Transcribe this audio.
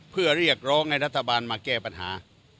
เพื่อเรียกร้องให้รัฐบาลมาแก้ปัญหา